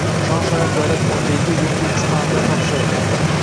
“Shon-sharaf” davlat muzeyiga yangi eksponatlar topshirildi